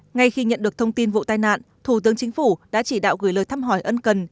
ngay khi nhận được thông tin vụ tai nạn thủ tướng chính phủ đã chỉ đạo gửi lời thăm hỏi ân cần